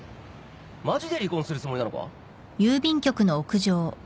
マジで離婚するつもりなのか？